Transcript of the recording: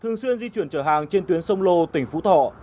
thường xuyên di chuyển trở hàng trên tuyến sông lô tỉnh phú thọ